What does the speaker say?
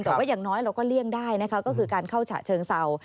แต่ว่าอย่างน้อยเราก็เลี่ยงได้นะคะก็คือการเข้าฉะเชิงเศร้า